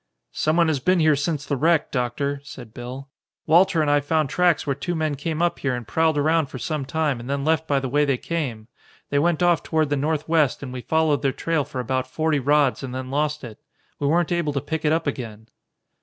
"Someone has been here since the wreck, Doctor," said Bill. "Walter and I found tracks where two men came up here and prowled around for some time and then left by the way they came. They went off toward the northwest, and we followed their trail for about forty rods and then lost it. We weren't able to pick it up again."